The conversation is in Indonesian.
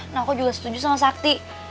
nah aku juga setuju sama sakti